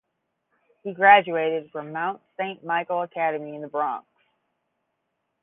He graduated from Mount Saint Michael Academy in the Bronx.